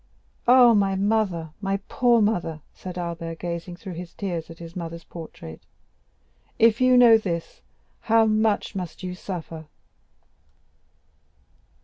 Ah, my mother, my poor mother!" said Albert, gazing through his tears at his mother's portrait; "if you know this, how much must you suffer!"